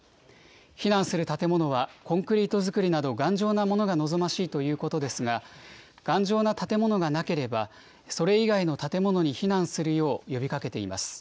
避難する建物は、コンクリート造りなど頑丈なものが望ましいということですが、頑丈な建物がなければ、それ以外の建物に避難するよう呼びかけています。